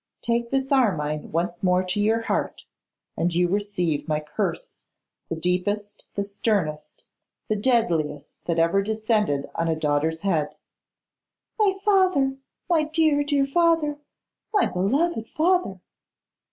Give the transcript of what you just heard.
take this Armine once more to your heart, and you receive my curse, the deepest, the sternest, the deadliest that ever descended on a daughter's head.' 'My father, my dear, dear father, my beloved father!